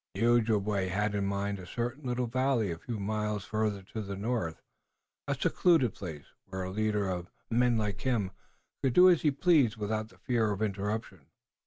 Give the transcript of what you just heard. The Ojibway had in mind a certain little valley a few miles farther to the north, a secluded place where a leader of men like himself could do as he pleased without fear of interruption.